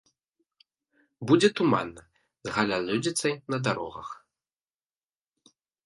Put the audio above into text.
Будзе туманна, з галалёдзіцай на дарогах.